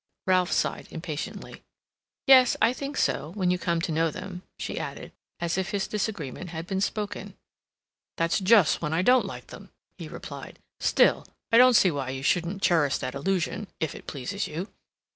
Ralph sighed impatiently. "Yes, I think so, when you come to know them," she added, as if his disagreement had been spoken. "That's just when I don't like them," he replied. "Still, I don't see why you shouldn't cherish that illusion, if it pleases you."